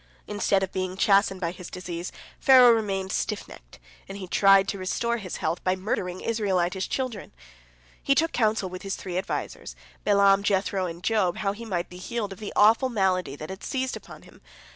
Instead of being chastened by his disease, Pharaoh remained stiffnecked, and he tried to restore his health by murdering Israelitish children. He took counsel with his three advisers, Balaam, Jethro, and Job, how he might be healed of the awful malady that had seized upon him.